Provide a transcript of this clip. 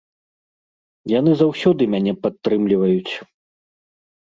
Яны заўсёды мяне падтрымліваюць.